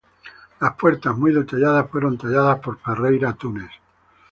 Las puertas, muy detalladas, fueron talladas por Ferreira Tunes.